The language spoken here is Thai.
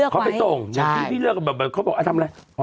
เขาไปส่งพี่เลือกแบบเขาบอกทำอะไร